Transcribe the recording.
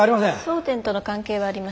争点との関係はあります。